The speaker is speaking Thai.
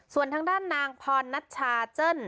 ส่วนด้านนางพนัดชาเจิ่น